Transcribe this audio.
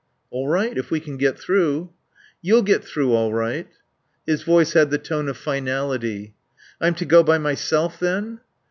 "All right if we can get through." "You'll get through all right." His voice had the tone of finality. "I'm to go by myself then?"